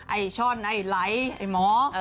ไอ้ช่อนไอ้ไหลไอ้หมอ